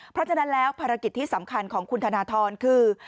เพราะฉะนั้นแล้วภารกิจที่สำคัญของคุณธนทรคือ